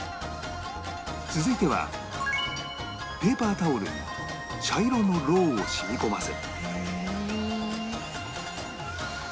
続いてはペーパータオルに茶色のロウを染み込ませ